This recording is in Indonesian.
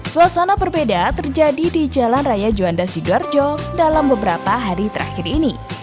suasana berbeda terjadi di jalan raya juanda sidoarjo dalam beberapa hari terakhir ini